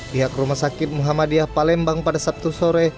pihak rumah sakit muhammadiyah palembang pada sabtu sore